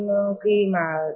nhưng khi mà